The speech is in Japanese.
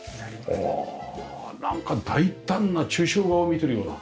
おおなんか大胆な抽象画を見てるような。